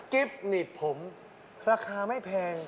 กิฟต์หนีดผมราคาไม่แพง